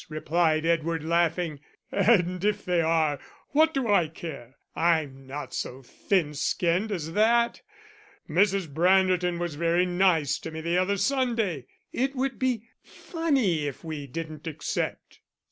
replied Edward, laughing. "And if they are, what do I care? I'm not so thin skinned as that. Mrs. Branderton was very nice to me the other Sunday; it would be funny if we didn't accept."